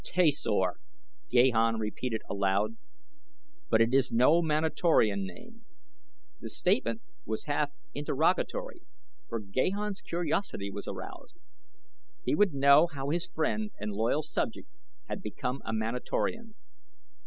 "Tasor," Gahan repeated aloud. "But it is no Manatorian name." The statement was half interrogatory, for Gahan's curiosity was aroused. He would know how his friend and loyal subject had become a Manatorian.